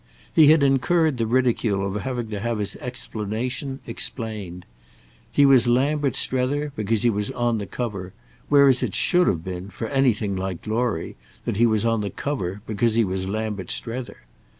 He had incurred the ridicule of having to have his explanation explained. He was Lambert Strether because he was on the cover, whereas it should have been, for anything like glory, that he was on the cover because he was Lambert Strether.